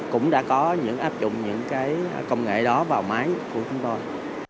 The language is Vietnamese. cũng đã có những áp dụng những cái công nghệ đó vào máy của chúng tôi